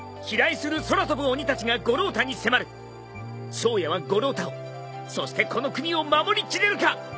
颯也は五郎太をそしてこの国を守りきれるか！？